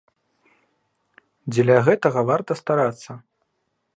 Дзеля гэтага варта старацца!